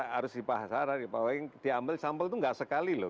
harus dipasaran diambil sampel itu nggak sekali loh